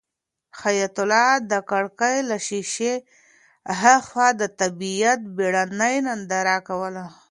حیات الله د کړکۍ له شیشې هاخوا د طبیعت بېړنۍ ننداره کوله.